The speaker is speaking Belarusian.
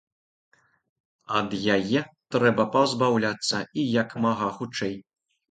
Ад яе трэба пазбаўляцца і як мага хутчэй.